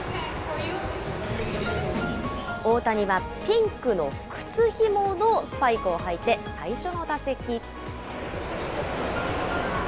大谷はピンクの靴紐のスパイクを履いて最初の打席。